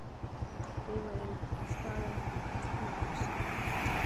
وې ویل استاد ه ستړی مه شې.